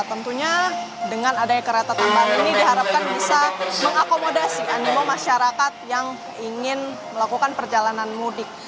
tentunya dengan adanya kereta tambahan ini diharapkan bisa mengakomodasi animo masyarakat yang ingin melakukan perjalanan mudik